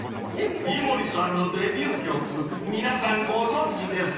［井森さんのデビュー曲皆さんご存じです？］